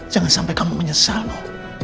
jangan sampai kamu menyesal